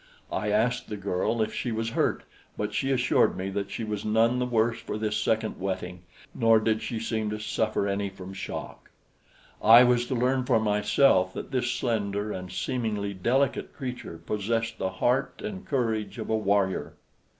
I asked the girl if she was hurt, but she assured me that she was none the worse for this second wetting; nor did she seem to suffer any from shock. I was to learn for myself that this slender and seemingly delicate creature possessed the heart and courage of a warrior.